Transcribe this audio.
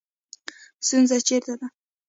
ستونزه چېرته ده